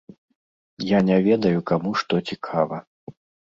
Я не ведаю, каму што цікава.